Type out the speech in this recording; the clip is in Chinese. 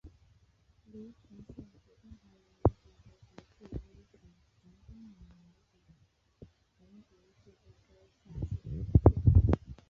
黎平县是中华人民共和国贵州省黔东南苗族侗族自治州下属的一个县。